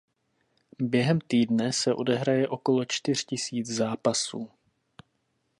Během týdne se odehraje okolo čtyř tisíc zápasů.